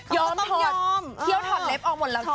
เค้าก็ต้องยอมเขียวถอดเล็บออกหมดแล้วจ้า